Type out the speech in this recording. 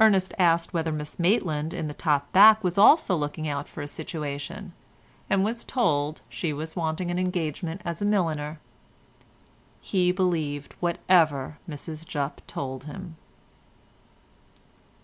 Ernest asked whether Miss Maitland in the top back was also looking out for a situation, and was told she was wanting an engagement as a milliner. He believed whatever Mrs Jupp told him.